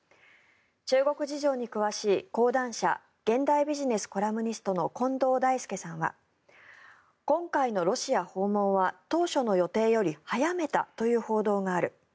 中国事情に詳しい講談社現代ビジネスコラムニストの近藤大介さんは今回のロシア訪問は当初の予定より早めたという報道がある。